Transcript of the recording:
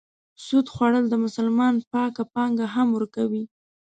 سود خوړل د مسلمان پاکه پانګه هم ورکوي.